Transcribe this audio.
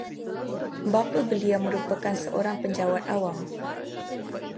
Bapa beliau merupakan seorang penjawat awam